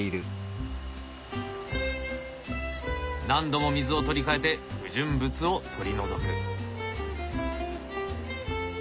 何度も水を取り替えて不純物を取り除く。